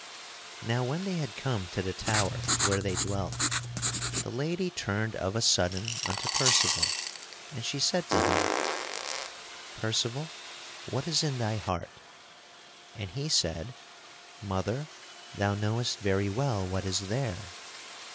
Now when they had come to the tower where they dwelt, the lady turned of a sudden unto Percival and she said to him, "Percival, what is in thy heart?" And he said, "Mother, thou knowest very well what is there."